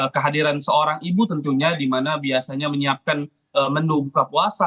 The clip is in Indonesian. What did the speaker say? kehadiran seorang ibu tentunya di mana biasanya menyiapkan menu buka puasa